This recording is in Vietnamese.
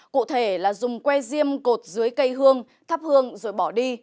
cụ thể là dùng que diêm cột dưới cây hương thắp hương rồi bỏ đi